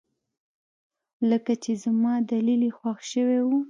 لکه چې زما دليل يې خوښ شوى و.